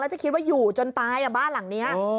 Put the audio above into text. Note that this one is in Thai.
จะคิดว่าอยู่จนตายบ้านหลังนี้